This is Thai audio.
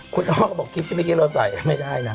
คุณฮอก็บอกคลิปพี่แม่งกินโรงสาวไม่ได้นะ